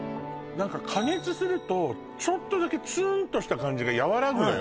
何か加熱するとちょっとだけツーンとした感じがやわらぐのよ